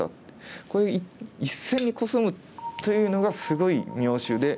これ１線にコスむというのがすごい妙手で。